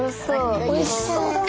おいしそうだな。